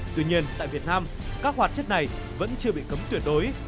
tuy nhiên tại việt nam các hoạt chất này vẫn chưa bị cấm tuyệt đối